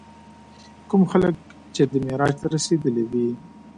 کوم خلک چې دې معراج ته رسېدلي وي.